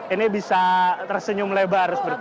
ini bisa tersenyum lebar